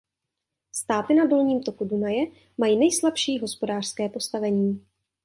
Státy na dolním toku Dunaje mají nejslabší hospodářské postavení.